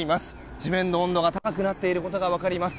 地面の温度が高くなっていることが分かります。